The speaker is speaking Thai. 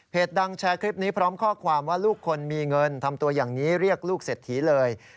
ดังแชร์คลิปนี้พร้อมข้อความว่าลูกคนมีเงินทำตัวอย่างนี้เรียกลูกเศรษฐีเลย